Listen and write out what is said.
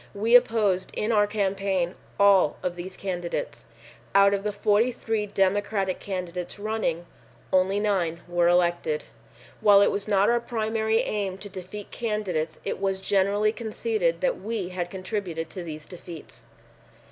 We opposed in our campaign all of these candidates. Out of the 43 Democratic candidates running, only 9.0 were elected. While it was not our primary aim to defeat candidates it was generally conceded that we had contributed to these defeats.